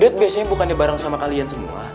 lihat biasanya bukannya bareng sama kalian semua